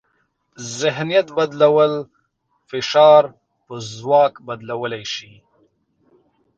ذهنیت بدلول فشار په ځواک بدلولی شي.